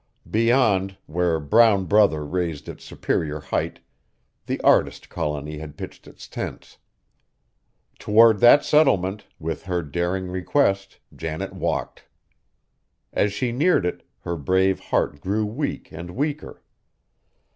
Beyond, where Brown Brother raised its superior height, the artist colony had pitched its tents. Toward that settlement, with her daring request, Janet walked. As she neared it, her brave heart grew weak and weaker.